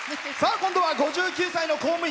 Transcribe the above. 今度は５９歳の公務員。